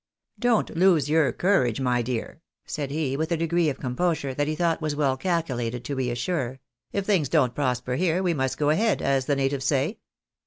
" Don't lose your courage, my dear," said he, with a degree of composure that he thought was well calculated to re assure, "if things don't prosper here, we must go ahead, as the natives say.''